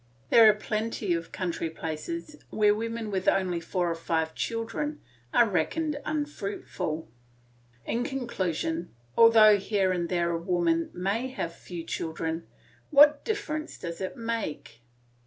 There are plenty of country places where women with only four or five children are reckoned unfruitful. In conclusion, although here and there a woman may have few children, what difference does it make?